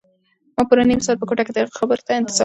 ما پوره نیم ساعت په کوټه کې د هغه خبرو ته انتظار وکړ.